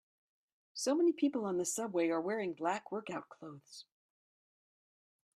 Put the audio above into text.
So many people on the subway are wearing black workout clothes.